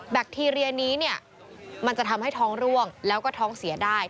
คทีเรียนี้เนี่ยมันจะทำให้ท้องร่วงแล้วก็ท้องเสียได้